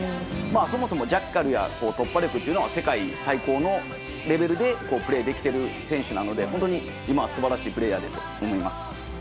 そもそもジャッカルや突破力というのは世界最高のレベルでプレーできている選手なので本当に今、素晴らしいプレーヤーだと思います。